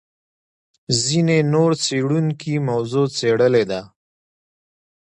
ځینې نور څېړونکي موضوع څېړلې ده.